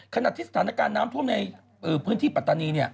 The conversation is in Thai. ขณะที่สถานการณ์น้ำท่วมในพื้นที่ปัตตานี